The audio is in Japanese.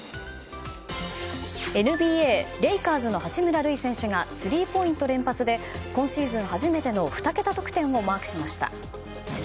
ＮＢＡレイカーズの八村塁選手がスリーポイント連発で今シーズン初めての２桁得点をマークしました。